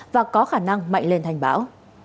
và có khả năng mạnh lên thành bão